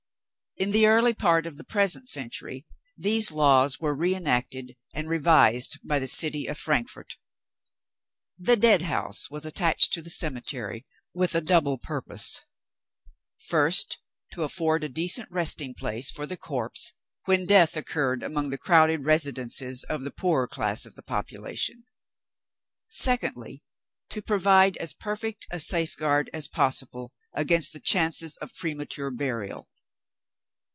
In the early part of the present century, these laws were re enacted and revised by the City of Frankfort. The Deadhouse was attached to the cemetery, with a double purpose. First, to afford a decent resting place for the corpse, when death occurred among the crowded residences of the poorer class of the population. Secondly, to provide as perfect a safeguard as possible against the chances of premature burial.